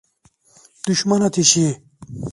Düşman ateşi!